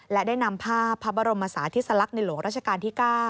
และได้นำภาพพระบรมศาธิสลักษณ์ในหลวงราชการที่๙